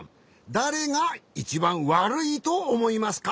だれがいちばんわるいとおもいますか？